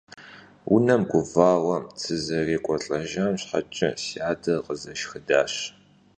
Унэм гувауэ сызэрекӀуэлӏэжам щхьэкӀэ си адэр къызэшхыдащ.